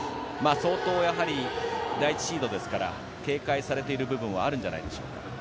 第１シードですから、警戒されている部分はあるんじゃないでしょうか。